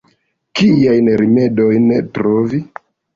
Kiajn rimedojn trovi?